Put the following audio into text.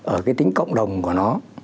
ở cái tính cộng đồng của nó